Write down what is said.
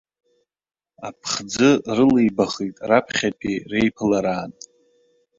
Аԥхӡы рылеибахит раԥхьатәи реиԥылараан.